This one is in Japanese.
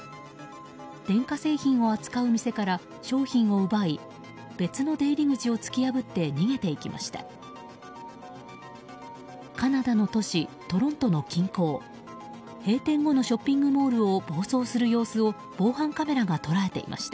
電化製品を扱う店から商品を奪い別の出入り口を突き破って逃げていきました。